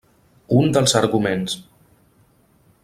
Un dels arguments.